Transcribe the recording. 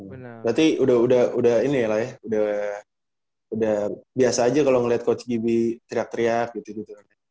berarti udah ini ya lah ya udah biasa aja kalau ngeliat coach gibi teriak teriak gitu gitu